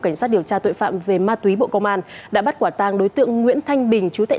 cảnh sát điều tra tội phạm về ma túy bộ công an đã bắt quả tang đối tượng nguyễn thanh bình chú tệ